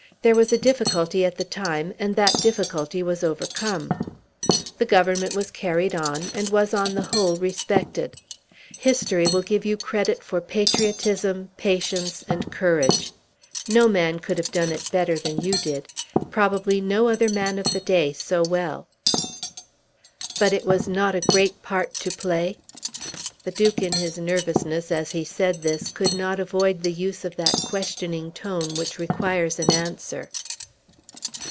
"There was a difficulty at the time, and that difficulty was overcome. The Government was carried on, and was on the whole respected. History will give you credit for patriotism, patience, and courage. No man could have done it better than you did; probably no other man of the day so well." "But it was not a great part to play?" The Duke in his nervousness, as he said this, could not avoid the use of that questioning tone which requires an answer.